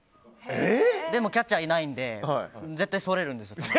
でもキャッチャーいないんでそれるんですよ。